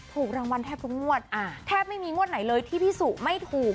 ถูกรางวัลแทบทุกงวดแทบไม่มีงวดไหนเลยที่พี่สุไม่ถูก